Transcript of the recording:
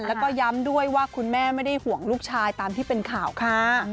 แล้วก็ย้ำด้วยว่าคุณแม่ไม่ได้ห่วงลูกชายตามที่เป็นข่าวค่ะ